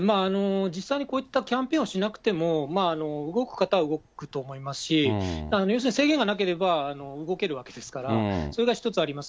実際にこういったキャンペーンをしなくても、動く方は動くと思いますし、要するに、制限がなければ、動けるわけですから、それが一つあります。